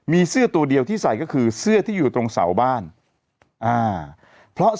มีเสื้อตัวเดียวที่ใส่ก็คือเสื้อที่อยู่ตรงเสาบ้านอ่าเพราะ